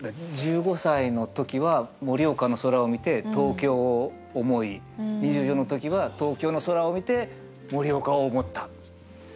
１５歳の時は盛岡の空を見て東京を思い２４の時は東京の空を見て盛岡を思った。